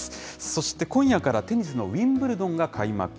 そして今夜からテニスのウィンブルドンが開幕。